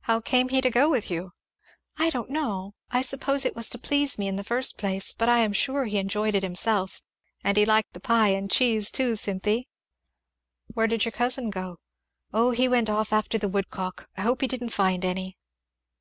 "How came he to go with you?" "I don't know, I suppose it was to please me, in the first place; but I am sure he enjoyed it himself; and he liked the pie and cheese, too, Cynthy." "Where did your cousin go?" "O he went off after the woodcock. I hope he didn't find any."